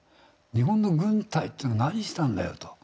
日本の軍隊っていうのは何したんだよと。